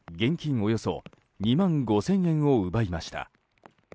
およそ２万５０００円を奪いました。